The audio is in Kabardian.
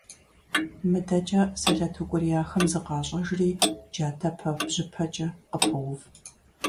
МыдэкӀэ сэлэт укӀурияхэм зыкъащӀэжри джатэпэ-бжыпэкӀэ къыпоув.